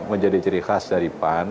menjadi ciri khas dari pan